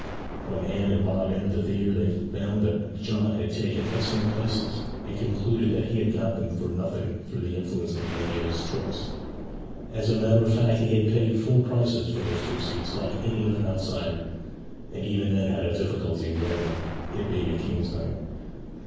When Anne and Bob entered the theatre they found that John had taken excellent places, and concluded that he had got them for nothing through the influence of the lady of his choice. As a matter of fact he had paid full prices for those two seats, like any other outsider, and even then had a difficulty in getting them, it being a King's night.